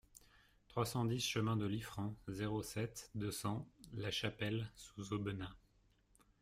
trois cent dix chemin de Liffrand, zéro sept, deux cents, Lachapelle-sous-Aubenas